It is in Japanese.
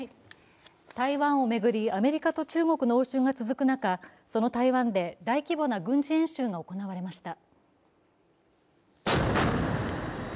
台湾を巡りアメリカと中国の応酬が続く中、その台湾で大規模な軍事演習が行われました。